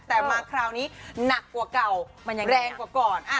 แต่มาคราวนี้หนักกว่าเก่าแรงกว่าก่อน